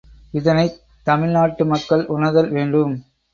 இதனைத் தமிழ் நாட்டு மக்கள் உணர்தல் வேண்டும்.